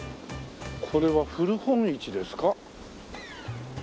これは古本市ですか？